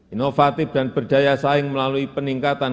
inovatif dan berdaya saing melalui peningkatan